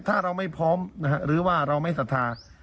ถ้าเราไม่พร้อมหรือว่าเราไม่ศรัทธา